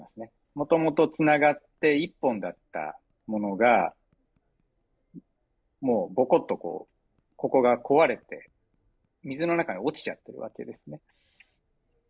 もともとつながって１本だったものがもうボコっと、ここが壊れて水の中に落ちちゃってるわけですね。